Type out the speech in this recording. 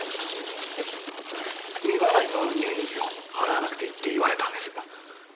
いや未払いの入院費を払わなくていいって言われたんです。